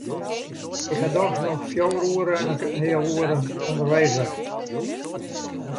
Ik ha dochs noch fjouwer en in heal oere ûnderweis west.